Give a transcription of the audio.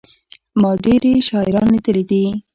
ما ډېري شاعران لېدلي دي.